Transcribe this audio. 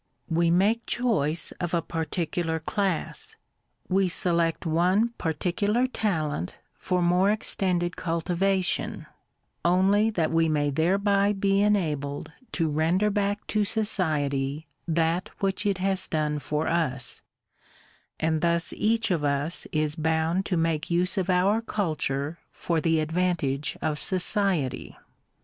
We make choice of a particular class, — we select one particular talent for more extended cultivation, — only that we may thereby be enabled to render bach to society that which it has done for us; — and tlvus each of us is bound to make use of our culture for the advantage of society.